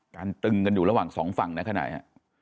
ตึงกันอยู่ระหว่างสองฝั่งนะขณะนี้